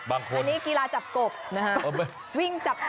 คนนี้กีฬาจับกบนะฮะ